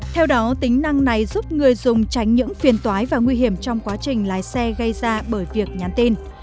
theo đó tính năng này giúp người dùng tránh những phiền toái và nguy hiểm trong quá trình lái xe gây ra bởi việc nhắn tin